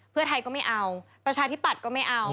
เพื่อไทยก็ไม่เอาประชาธิปัตย์ก็ไม่เอา